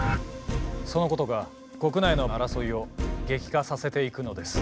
そのことが国内の争いを激化させていくのです。